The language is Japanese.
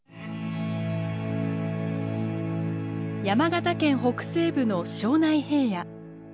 山形県北西部の庄内平野。